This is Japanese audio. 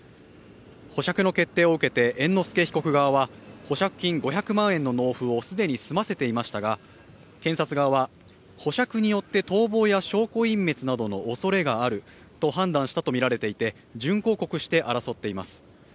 保釈の決定を受けて猿之助被告側は保釈金５００万円の納付を既に済ませていましたが、検察側は保釈によって逃亡や証拠隠滅のおそれがあると判断したとみられていて、準抗告して争っています。